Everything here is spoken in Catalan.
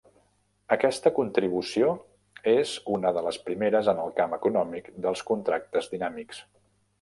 Aquesta contribució és una de les primeres en el camp econòmic dels contractes dinàmics.